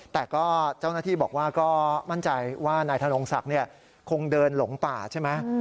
แต่ก็เจ้าหน้าที่บอกว่าก็มั่นใจว่านายธนงศักดิ์คงเดินหลงป่าใช่ไหม